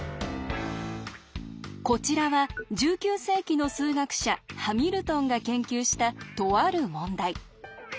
こちらは１９世紀の数学者ハミルトンが研究したとある問題。